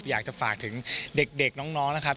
อยากจะฝากถึงเด็กน้องนะครับ